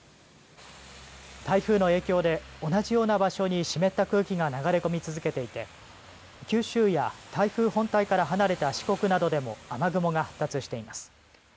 台風の影響で同じような場所に湿った空気が流れ込み続けていて九州や台風本体から離れた四国などでも雨雲が発達しています。